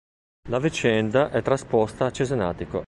La vicenda è trasposta a Cesenatico.